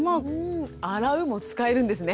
洗うも使えるんですね。